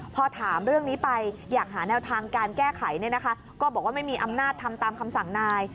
พอถามเรื่องนี้ไปอยากหาแนวทางการแก้ไขก็บอกว่าไม่มีอำนาจทำตามคำสั่งนาย